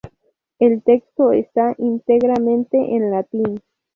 El texto está íntegramente en latín.